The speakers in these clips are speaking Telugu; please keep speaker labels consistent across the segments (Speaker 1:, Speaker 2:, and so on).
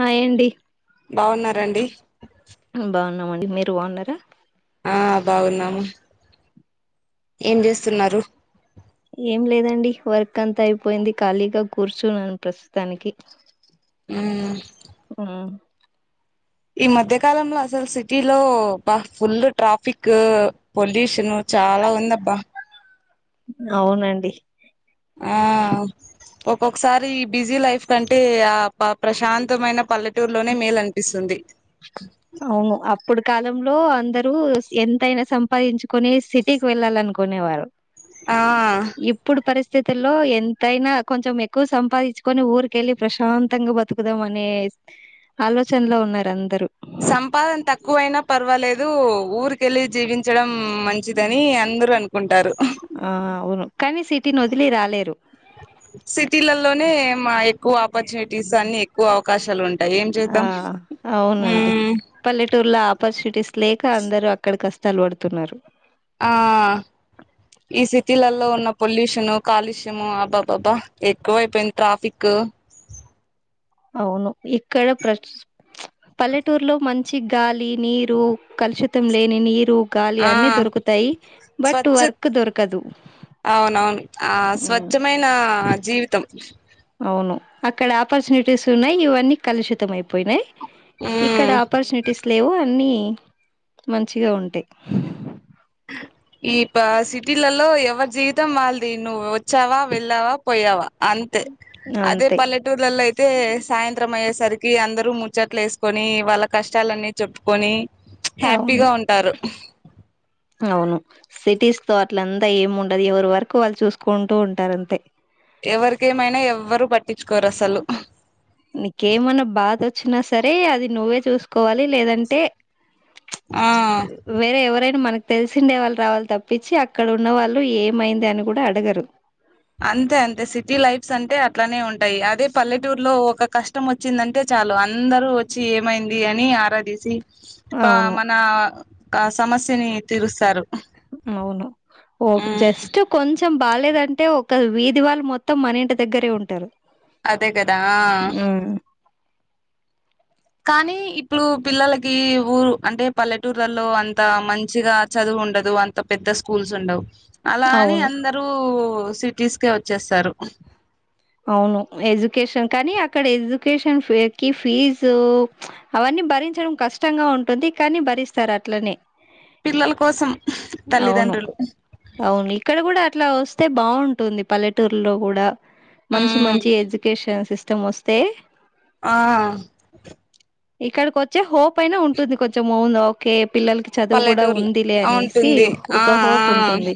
Speaker 1: హాయ్ అండి
Speaker 2: బావున్నారండి
Speaker 1: బాగున్నామండి మీరు బాన్నర
Speaker 2: ఆ బావున్నము ఏం చేస్తున్నారు
Speaker 1: ఏం లేదండి వర్క్ అంతా అయిపోయింది ఖాళీగా కూర్చున్నాన్ ప్రస్తుతానికి
Speaker 2: హ్మ్
Speaker 1: ఉమ్,
Speaker 2: ఈ మధ్య కాలంలో అసలు సిటీలో బా ఫుల్ ట్రాఫిక్ పొల్యూషను చాల ఉంద అబ్బా
Speaker 1: అవునండి
Speaker 2: ఆ ఒక్కొక్కసారి ఈ బిజీ లైఫ్ కంటే ఆ ప ప్రశాంతమైన పల్లె టూర్ లోనే మేల్ అనిపిస్తుంది
Speaker 1: అవును అప్పుడు కాలంలో అందరూ ఎంతైన సంపాదించుకొని సిటీకి వెళ్ళాల అనుకోండ్ కునె వారు
Speaker 2: ఆ
Speaker 1: స్థితుల్లో ఎంతైన కొంచెం ఎక్కువ సంపాదించుకొని ఊరికెళ్ళి ప్రశాంతంగా బతుకుదాం అనే ఆలోచనలో ఉన్నారు అంత్
Speaker 2: సంపాదన తక్కువయినా పర్వాలేదు ఊరికెళ్ళి జీవించడం మంచిదని అన్ దరు అనుకుంటారు
Speaker 1: ఆ అవును కనీ సిటీని ఒదిలి రాలేరు
Speaker 2: సిటీలలోనే మా ఎక్కువ ఆపర్చునిటీస్ అన్ని ఎక్కువ అవకాశ
Speaker 1: ఆ అవునండి
Speaker 2: ఉమ్
Speaker 1: పల్లెటూర్లో ఆపర్చు టిస్ లేక అందరు అక్కడ కష్టాలు పడుతున్నారు
Speaker 2: ఆ ఈ సిటీలలో ఉన్న పొల్యూషన్ కాలుష్యము అబాబాబా ఎక్కువ అయిపోయింది ట్రాఫిక్ ఒ
Speaker 1: అవును ఇక్కడ ప్రస్ట్ ప్చ్ పల్లెటూరులో మంచి గాలి నీరు కలుషితం లేని నీరు గాలి
Speaker 2: ఆ
Speaker 1: అన్ని దొరుకుతాయి, బట్
Speaker 2: స్వచ్ఛ
Speaker 1: వర్క్ దొరకదు.
Speaker 2: అవునవును ఆ
Speaker 1: ఉమ్,
Speaker 2: స్వచ్ఛమైనా జీవితం
Speaker 1: అవును అక్కడ ఆపర్చునిటీస్ ఉన్నాయి ఇవన్నీ కలుషితం అయిపోయినాయి ఇక్కడ
Speaker 2: ఉమ్
Speaker 1: ఆపర్చునిటీస్ లేవు అన్ని మంచిగ ఉంటాయి
Speaker 2: ఈ పా సిటీలలో ఎవరి జీవితం వాళ్ళది నువ్వు వచ్చావా వెళ్ళావా పోయావా అం అదే
Speaker 1: అంతే
Speaker 2: పల్లెటూలాల్లో అయితే, తే సాయంత్రం అయ్యేసరికి అందరు ముచ్చట్లు వేసుకొని వాళ్ల కష్టాలన్నీ చెప్పుకొని హుచ్
Speaker 1: అవును
Speaker 2: హ్యాపీగా ఉంటారు
Speaker 1: అవును సిటీస్ తో అట్లంతా ఏం ఉండది ఎవరి వర్క్ వాళ్ళు చూసుకుంటూ ఉంటారు అంతే
Speaker 2: ఎవరికి ఎమైనా ఎవరు పట్టించుకోరు అసలు
Speaker 1: నీకేమన్నా బాధ వచ్చినా సరే అది నువ్వే చూసుకోవాలి లేదంటే
Speaker 2: ఆ
Speaker 1: వేరే ఎవరైనా మనకు తెలిసిండే వాళ్ళు రావాల తప్పించి అక్కడ ఉన్న వాళ్ళు ఏమైంది అని కూడా అడగరు
Speaker 2: అంతే అంతే సిటీ లైఫ్స్ అంటే అట్లానే ఉంటాయి అదే పల్లెటూరులో ఒక కష్టం వచ్చిందంటే చాలు అందరూ వచ్చి ఏమైంది అని ఆరాధసి కా
Speaker 1: అవును
Speaker 2: మనకస్క్ సమస్యని తీరుస్తారు
Speaker 1: అవును ఓ
Speaker 2: ఉమ్
Speaker 1: జస్ట్ కొంచెం బాలేదంటే ఒక వీధిళ్ళు మొత్తం మన ఇంటి దగ్గరే ఉంటారు
Speaker 2: అదే కదా
Speaker 1: ఉమ్
Speaker 2: కానీ ఇప్పుడు పిల్లలకి ఊరు అంటే పల్లెటూర్లలో అంత మంచిగా చదువు ఉండదు అంత పెద్ద స్కూల్స్ ఉండవు అలా అని
Speaker 1: అవును
Speaker 2: అందరూ సిటీస్కె వచ్చేస్తారు
Speaker 1: అవును ఎడ్యుకేషన్ కానీ అక్కడ ఎడ్యుకేషన్ కి ఫీజు అవన్నీ కానీ భరించడం కష్టంగా ఉంటుంది కానీ భరిస్తారు అట్లనే
Speaker 2: పిల్లల కోసం
Speaker 1: అవును
Speaker 2: తల్లిదండ్రులు
Speaker 1: అవును ఇక్కడ కూడా అట్లా వస్తే బాగుంటుంది పల్లెటూరులో కూడా మంచి
Speaker 2: ఉమ్
Speaker 1: మంచి ఎడ్యుకేషన్ సిస్ స్టమొస్తే
Speaker 2: ఆ
Speaker 1: ఇక్కడికి వచ్చి హోప్ అయినా ఉంటుంది కొంచెం మున్ ఓకే పిల్లలకి చదువు కూడా
Speaker 2: పల్లెటూర్ల
Speaker 1: ఉందిలే అనేసి
Speaker 2: ఉంటుంది ఆ
Speaker 1: ఒక
Speaker 2: ఆ
Speaker 1: హోప్ ఉంటుంది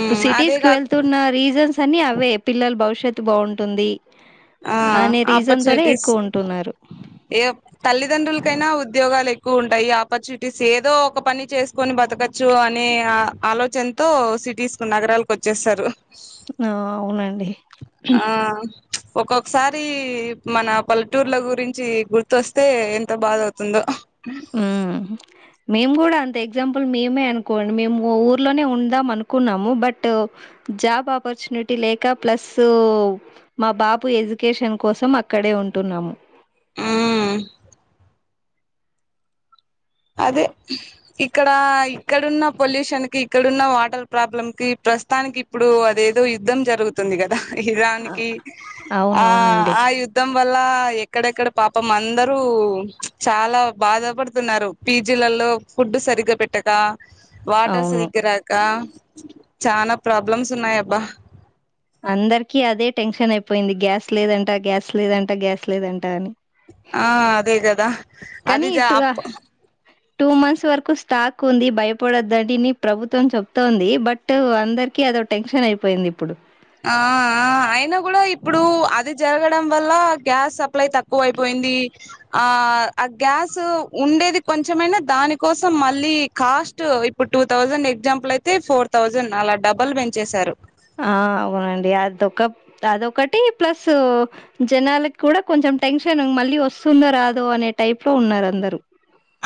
Speaker 1: ఇప్పుడు
Speaker 2: అదే
Speaker 1: సిటీస్ కి
Speaker 2: కాక
Speaker 1: వెళ్తున్న రీజన్స్ అన్ని అవే పిల్లల భవిష్యత్ బాగుంటుంది
Speaker 2: ఆ
Speaker 1: అనే రీజన్ తోనే
Speaker 2: ఆపర్చునిటీస్
Speaker 1: ఎక్కువ ఉంటున్నారు
Speaker 2: తల్లిదండ్రులకైనా ఉద్యోగాలు ఎక్కువ ఉంటాయి ఆపర్చునిటీస్ ఏదో ఒక పని చేసుకొని బతకచ్చు అనే ఆలోచనతో సిటీస్ కు నగరాలకు వచ్చేసారు
Speaker 1: ఆ అవునండి
Speaker 2: ఆ ఒక్కొక్కసారి మన పల్లెటూర్ల గురిం చి గుర్తోస్తే ఎంత బాధ అవుతుందో
Speaker 1: ఉమ్ మేము కూడా అంతె ఎగ్జాంపుల్ మేమే అనుకోండి మేము ఊర్లోనే ఉందాం అనుకున్నాము బటూ జాబ్ ఆపర్చునిటీ లేక ప్లస్ మా బాబు ఎడ్యుకేషన్ కోసం అక్కడే ఉ టున్నాము
Speaker 2: ఉమ్ అదే ఇక్కడ ఇక్కడున్న పొల్యూషన్ కి ఇక్కడున్న వాటర్ ప్రాబ్లం కి ప్ర ప్రస్తుతానికి ఇప్పుడు అదేదో యుద్ధం జరుగుతుంది గా దా
Speaker 1: ఆ
Speaker 2: ఇరాన్కి ఆ
Speaker 1: అవునవునండి.
Speaker 2: ఆ యుద్ధం వ ల్ల ఎక్కడెక్కడ పాపం అందరూ చాలా బాధపడుతున్నారు పీజీలలో ఫుడ్ సరిగ్గా పెట్టక వాటర్
Speaker 1: అవును.
Speaker 2: సరిగ్గా రాక చానా ప్రాబ్లమ్స్ ఉన్నాయబ్బా
Speaker 1: అందరికిీ అదే టెన్షన్ అయిపోయింది గ్యాస్ లేదంటా గ్యాస్ లేదంటా గ్యాస్ లేదంట అని
Speaker 2: ఆ అదే కదా
Speaker 1: కానీ
Speaker 2: అదిజా
Speaker 1: ఇటు
Speaker 2: అప్ప
Speaker 1: టూ మంత్స్ వరకు స్టాక్ ఉంది భయపడొదుని ప్రభుత్వం చెప్తోంది బట్ అందరికి అ టెన్షన్ అయిపోయింది ఇప్పుడు
Speaker 2: ఆఆ అయినా కూడా ఇప్పుడు అది జరగడం వల్ల గ్యాస్ సప్లై తక్కువ అయిపోయి ది ఆ ఆ గ్యాస్ ఉండేది కొంచెమైనా దాని కోసం మళ్ళీ క అస్ట్ ఇప్పుడు టూ థౌజండ్ ఎగ్జాంపుల్ అయితే ఫోర్ థౌజండ్ అలా డబల్ పెంచెసారు
Speaker 1: యా అదొక అదొకటి ప్లసూ జనాలకి కూడా కొంచెం టెన్షన్ మళ్ళీ వస్ తుందో రాధో అనే టైప్లో ఉన్నారు అందరూ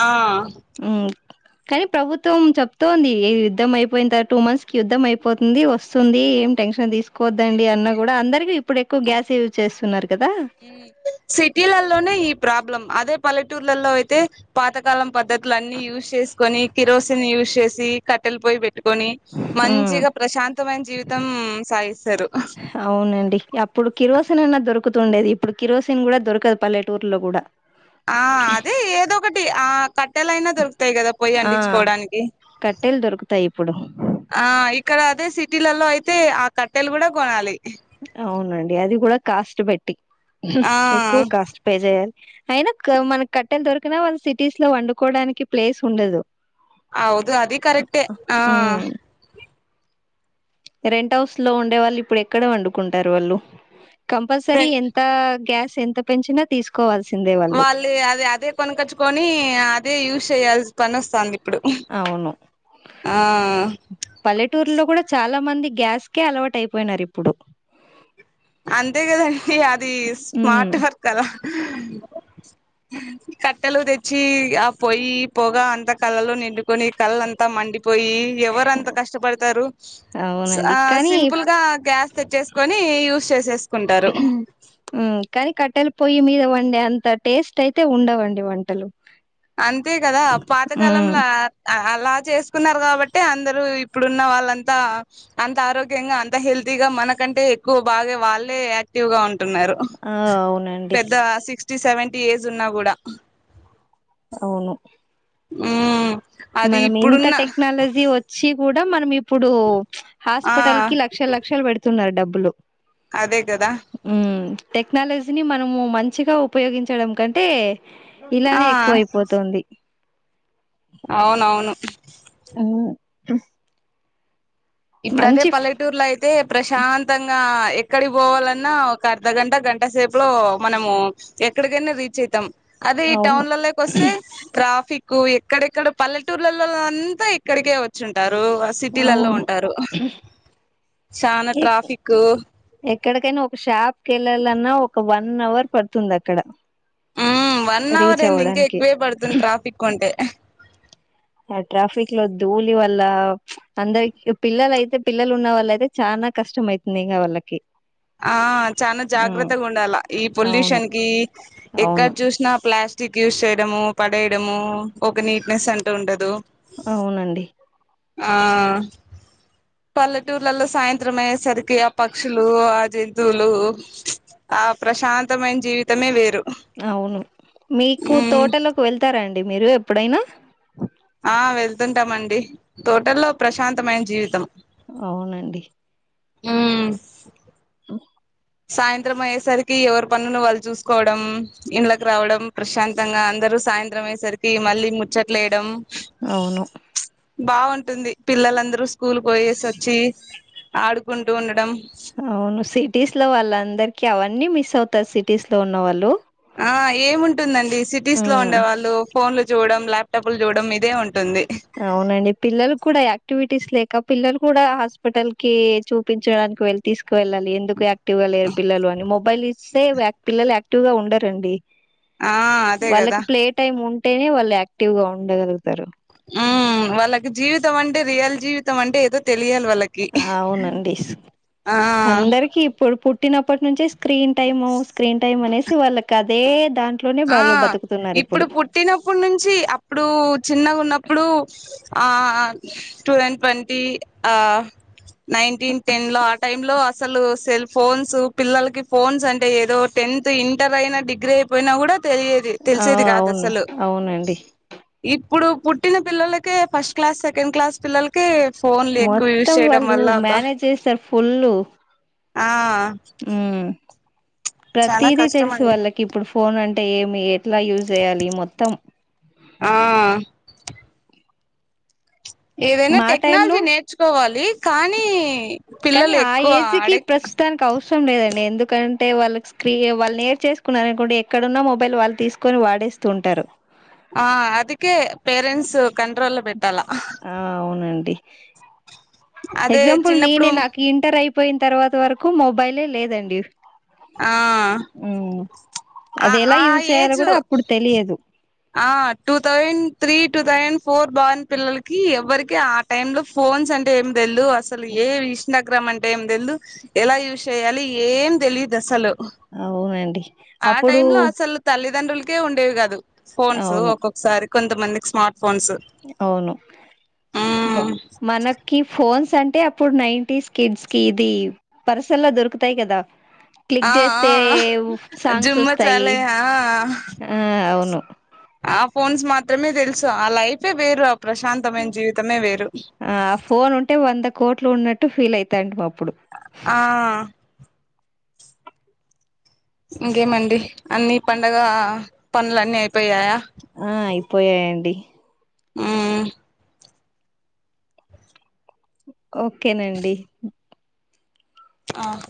Speaker 2: ఆ
Speaker 1: హ్మ్. కానీ ప్రభుత్వం చెప్తోంది ఇ యుద్ధం అయిపోయిన్ తర్వాత టూ మంత్స్ కి యుద్ధం అయిపోతుంది. వస్ స్తుంది ఏం టెన్షన్ తీసుకోద్దండి అన్న గూడా అందరికి ఇప్పుడు ఎక్కువ గ్యాసే యూజ్ చేస్తున్నారు. కదా
Speaker 2: సిటీలల్లోనే ఈ ప్రాబ్లం అదే పల్లెటూర్లలో అయితే పాతకాలం పద్ధతులు అన్ని యూజ్ చేసుకొని, కిరోసిన్ యూజ్ చేసి ఇ కట్టెలు పోయి పెట్టుకొని
Speaker 1: ఉమ్
Speaker 2: మంచిగా ప్రశాంతమైన జీవితం సాగిస్తరు. హ
Speaker 1: అవునండి అప్పుడు కిరోసిన్ అన్నా దొరుకుతుండేది. ఇప్పుడు కిరోసిన్ గూడా దొరకదు పల్లెటూర్లో గూడా.
Speaker 2: ఆ అదే ఏదో ఒకటి ఆ క ట్టెలైనా దొరుకుతాయి కదా పోయ్యి
Speaker 1: ఆ
Speaker 2: అంటించుకోడానికి.
Speaker 1: కట్టెలు దొరుకుతాయి ఇప్పుడు
Speaker 2: ఆ ఇక్కడ అదే సిటీలలో అయితే ఆ కట్టెలు గూడా కొనాలి.
Speaker 1: అవునండి అది కూడా కాస్ట్ పెట్టి
Speaker 2: ఆ
Speaker 1: ఎక్కువ కాస్ట్ పే చేయాలి. అయినాక్క మనకి కట్టెల్ దొరికిన వాళ్ సిటీస్ లో వండుకోడానికి ప్లేస్ ఉండదు.
Speaker 2: అవుదు అది కరెక్టే ఆహ్
Speaker 1: ఉమ్ రెంట్ హౌస్ లో ఉండే వాళ్ళు ఇప్పుడు ఎక్కడ వండుకుంటరు వాళ్ళు. కంపల్సరీ
Speaker 2: ఫ్రెండ్
Speaker 1: ఎంత గ్యాస్ ఎంత పెంచినా తీసుకోవాల్స్
Speaker 2: వాళ్ళే అది అదే కొనకచ్చుకొని అదే యూజ్ చేయాల్సి పని ఒస్థాంది.
Speaker 1: అవును పల్లెటూర్లో కూడా చాలా మంది గ్యాస్కే అలవాట్ అయిపోయినారు ఇప్పుడు.
Speaker 2: అంతే గదండి అది
Speaker 1: ఉమ్,
Speaker 2: స్మార్ట్ వర్క్ కదా కట్టెలు తెచ్చి ఆ పొయి పోగా అంతా కళ్ళలో నిండుకొని కళ్లంతా మండి పోయి ఎవరంత కష్టపడతారు. స్
Speaker 1: అవునండి
Speaker 2: అ
Speaker 1: కానీ
Speaker 2: సింపుల్ గా గ్యాస్ తెచ్చేసుకొని యూస్ చేసేసుకుంటారు
Speaker 1: మ్ కని కట్టెల పొయ్యి మీద వండే అంత టేస్ట్ అయితే ఉండవండి వంటలు.
Speaker 2: అంతే గదా
Speaker 1: ఉమ్,
Speaker 2: పాతకాలంల అహ్ అల్ అలా చేసుకున్నారు కాబట్టే అందరూ ఇప్పుడున్న వాళ్ళంతా అంత ఆరోగ్యంగా అంత హెల్తీగా మ మనకంటే ఎక్కువ బాగే వాళ్ళే యాక్టివ్ గా ఉంటున్నారు.
Speaker 1: ఆ అవునండి
Speaker 2: పెద్దా సిక్స్ క్స్టీ సెవెంటీ ఏజ్ ఉన్నా గూడా
Speaker 1: అవును
Speaker 2: మ్
Speaker 1: మనం ఇంత టెక్నాలజీ వచ్చి కూడా మనం ఇప్పుడు
Speaker 2: ఆ
Speaker 1: హాస్పిటల్ కి లక్షల్ లక్షల్ పెడుతున్నారు డబ్బులు.
Speaker 2: అదే గదా
Speaker 1: ఉమ్, టెక్నాలజీని మనము మంచిగా ఉపయోగించడం కంటే
Speaker 2: ఆ
Speaker 1: ఇలానే ఎక్కువయిపోతుంది.
Speaker 2: అవునవును
Speaker 1: అవును హ్
Speaker 2: ఇప్పుడు అదే పల్లెటూర్లో అయితే ప్రశాంతంగా ఎక్కడికి పోవాలన్నా ఒక అర్ధగంట, గంట సేపులో మనము ఎక్కడికైనా రీచ్ అయితం. అదే ఈ
Speaker 1: అవును
Speaker 2: టౌన్లాలక్ ఒస్తే ట్రాఫిక్ కు ఎక్కడెక్కడ పల్లెటూర్లలో అంతా ఇక్కడికే వచ్చుంటారు. ఆ సిటీలలో ఉన్
Speaker 1: హ్
Speaker 2: చానా ట్రాఫిక్కు
Speaker 1: ఎక్కడికైనా ఒక షాప్క్ యేళ్లాలన్నా ఒక వన్ అవర్ పడుతుంది అక్కడ.
Speaker 2: మ్ వన్ అవర్
Speaker 1: రీచ్
Speaker 2: ఎంది ఇంకా
Speaker 1: అవ్వడానికి
Speaker 2: ఎక్కువే పడుతుంది ట్రాఫికుంటే
Speaker 1: ఆ ట్రాఫిక్ లో ధూళి వల్ల అందరి పిల్లల అయితే పిల్లలు ఉన్న వాళ్ళ అయితే చాన్ నకష్టమయ్తుందిగా వాళ్ళకి
Speaker 2: ఆ చాన
Speaker 1: ఉమ్
Speaker 2: జాగ్రత్తగ ఉండాల ఈ
Speaker 1: అవును
Speaker 2: పొల్యూషన్ కి
Speaker 1: అవును
Speaker 2: ఎక్కడ్ చూసినా ప్లాస్ టిక్ యూస్ చేయడము పడేయడము ఒక నీట్నెస్ అంటూ ఉండదు
Speaker 1: ఔనండి
Speaker 2: ఆ పల్లెటూర్లల్లో సాయంత్రం అయె సరికి ఆ పక్షులు ఆ జంతువులు ఆ ప్రశాంతమైన జీవితమే వేరు
Speaker 1: అవును మీకు
Speaker 2: ఉమ్
Speaker 1: తోటలోకి వెళ్తరా అండి మీరు ఎప్పుడైనా
Speaker 2: ఆ వెళ్తుంటం అండి తోటల్లో ప్రశాంతమైన జీవితం
Speaker 1: ఔనండి
Speaker 2: ఊ మ్ సాయంత్రం అయ్యేసరికి ఎవర్ పనులు వాళ్ళు చూసుకోవడం ఇంళకి రావడం ప్రశాంతంగా అందరు సాయంత్రం అయేస్ సరికి మళ్ళీ ముచ్చట్లేయడం
Speaker 1: అవును
Speaker 2: బాగుంటుంది పిల్లలందరూ స్ స్కూల్ కి పోయేస్ ఒచ్చి ఆడుకుంటూ ఉండడం
Speaker 1: అవును సిటీస్ లో వాళ్ళందర్కి అవన్నీ మిస్ అవుతర్ సిటీస్ లో ఉన్నవాళ్ళు
Speaker 2: ఆ ఏముంటుందండి సిటీస్ లో
Speaker 1: ఉమ్
Speaker 2: ఉండేవాళ్ళు పోన్లు చూడం ల్యాప్టాప్లు చూడం ఇదే ఉంటుంది
Speaker 1: తిస్ లేక పిల్లలు కూడా హాస్పిటల్ కి చూపించడానికి వెళ్ళ్ తీసుకువెళ్ళాలి ఎందుకు యాక్టివ్ గా లేర్ పిల్లలు అని మొబైల్ ఇస్తే యాక్ట్ పిల్లలు యాక్టివ్ గా ఉండరండి
Speaker 2: ఆ అదే
Speaker 1: వాళ్ళకి
Speaker 2: కదా
Speaker 1: ప్లే టైమ్ ఉంటేనే వాళ్ళు యాక్టివ్ గా ఉండగలుగుతారు
Speaker 2: ఉ వాళ్ళకి జీవితం అంటే రియల్ జీవితం అంటే ఏదో తెల్
Speaker 1: అవునండిస్
Speaker 2: ఆ
Speaker 1: అందరికి ఇప్పుడు పు పుట్టినప్పట్ నుంచే స్క్రీన్ టైము స్క్రీన్ టైం అనేసి వాళ్ళకి అదే దాంట్లోనే
Speaker 2: ఆ
Speaker 1: వాళ్ళు బతుకుతున్నారు
Speaker 2: ఇప్పుడు పుట్టినప్పుడ్ నుంచి అప్పుడు చిన్నగా ఉన్న ఇప్పుడు ఆ అ టు తౌసండ్ ట్వంటీ ఆ నైన్టీన్ టెన్ లో ఆ టైంలో అసలు సెల్ ఫోన్సు పిల్లలకి ఫోన్స్ అంటే ఏదో టె టెన్త్ ఇంటర్ అయినా డిగ్రీ అయిపోయినా కూడ్ తెలియది
Speaker 1: ఆ
Speaker 2: తెలిసేది కాదు
Speaker 1: అవును
Speaker 2: అసలు
Speaker 1: అవునండి
Speaker 2: ఇ ఇప్పుడు పుట్టిన పిల్లలకే ఫస్ట్ క్లాస్ సెకండ్ క్లాస్ పిల్లలకె ఫోన్ల్ ఎక్కువ యూస్
Speaker 1: మొత్తం
Speaker 2: చేయడం
Speaker 1: వాళ్ళు
Speaker 2: వల్ల అబ్బా
Speaker 1: మేనేజ్ చేస్తారు ఫుల్
Speaker 2: ఆ చాలా
Speaker 1: ప్రతీది
Speaker 2: కష్టం
Speaker 1: తెలుసు
Speaker 2: అండి
Speaker 1: వాళ్ళకిప్పుడ్ ఫోన్ అంటే ఏమి ఏ ట్ల యూజ్ చేయ్యాలి మొత్తం
Speaker 2: ఆ ఏదైనా
Speaker 1: మా టైమ్ లో
Speaker 2: టెక్నాల్జీ నేర్చుకోవాలి కానీ
Speaker 1: కానీ
Speaker 2: పిల్లల్
Speaker 1: ఆ
Speaker 2: ఎక్కువ
Speaker 1: ఏజ్ కి
Speaker 2: అడిక్
Speaker 1: ప్రస్తుతానికి అవసరం లేదండి ఎందుకంటే వాళ్ళకి స్క్రీ వాళ్ళ్ నేర్చేస్కున్నార్ అనుకోండి ఎక్కడున్నా మొబైల్ వాళ్ తీసుకొని వాడే స్తుంటారు
Speaker 2: ఆ అదుకే పేరెంట్స్ కంట్రోల్లో బెట్టాల
Speaker 1: ఆ అవునండి
Speaker 2: అదే
Speaker 1: ఎగ్జాంపుల్
Speaker 2: చిన్నప్పుడు
Speaker 1: నేనె నాక్ ఇంటర్ అయ్ పోయిన్ తర్వాత వరకు మొబైలే లేదండి
Speaker 2: ఆ
Speaker 1: ఉమ్,
Speaker 2: అ
Speaker 1: అది ఎలా
Speaker 2: ఆ
Speaker 1: యూజ్ చేయాలో
Speaker 2: ఏజ్
Speaker 1: కూడా అప్పుడు తెలియదు
Speaker 2: ఆ two thousand three two thousand four born పిల్లలకి ఎవ్వరికీ ఆ టైమ్ లో ఫోన్స్ అంటే ఏం తెల్దు అసలు ఏవి ఇష్ణగ్రం అంటే ఏం తెల్దు ఎలా యూజ్ చేయాలి ఏం తెలిదు అసలు
Speaker 1: అవునండి
Speaker 2: ఆ
Speaker 1: అప్పుడు
Speaker 2: టైమ్ లో అసల్ తల్లిదండ్రుల్కే ఉండేవి గాదు ఫోన్స్
Speaker 1: అవును
Speaker 2: ఒక్కొక్సారి కొంతమందిక్ స్మార్ట్ ఫోన్స్
Speaker 1: అవును మ
Speaker 2: మ్మ్
Speaker 1: మనకి ఫోన్స్ తంటే అప్పుడ్ నైన్టీస్ కిడ్స్ కి ఇది పర్సుల్లో దొరుకుతయి గదా క్లిక్
Speaker 2: ఆ
Speaker 1: జెస్తే
Speaker 2: ఆ
Speaker 1: సాంగ్స్
Speaker 2: జుమ్మ
Speaker 1: వస్తాయి
Speaker 2: చాలే ఆ
Speaker 1: ఆ అవును
Speaker 2: ఆ ఫోన్స్ మాత్రమే తెలుసు ఆ లైఫే వేరు ప్రశాంతమైన జీవితమే వేరు
Speaker 1: ఆ ఫోన్ ఉంటే వంద కోట్లు ఉన్నట్టు ఫీల్ అయితాంటిమి అప్
Speaker 2: ఆ ఇంకేమండి అన్ని పండగా పన్లన్నీ అయిపోయాయా
Speaker 1: ఆ అయిపోయాయండి
Speaker 2: ఉమ్మ్
Speaker 1: ఒక్కేనండి
Speaker 2: ఆహ్